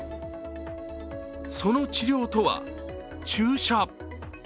その治療とは注射。